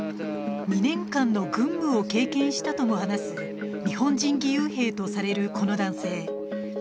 ２年間の軍務を経験したとも話す日本人義勇兵とされるこの男性。